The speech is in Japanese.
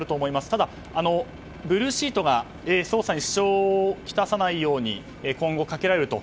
ただ、ブルーシートが捜査に支障をきたさないように今後、かけられると。